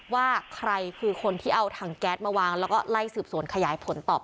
ว่าใครคือคนที่เอาถังแก๊สมาวางแล้วก็ไล่สืบสวนขยายผลตอบ